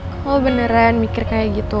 kok lo beneran mikir kayak gitu